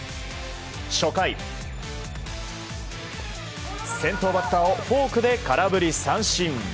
初回、先頭バッターをフォークで空振り三振。